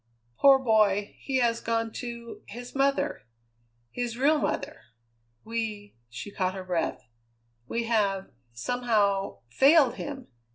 "Poor boy! He has gone to his mother; his real mother. We" she caught her breath "we have, somehow, failed him.